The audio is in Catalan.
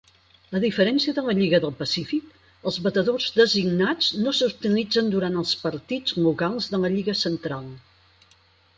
A diferència de la Lliga del Pacífic, els batedors designats no s'utilitzen durant els partits locals de la Lliga Central.